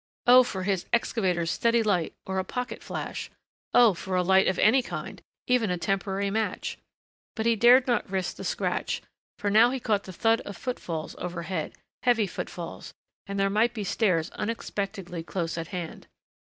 Oh, for his excavator's steady light, or a pocket flash! Oh, for a light of any kind, even a temporary match! But he dared not risk the scratch, for now he caught the thud of footfalls overhead, heavy footfalls, and there might be stairs unexpectedly close at hand.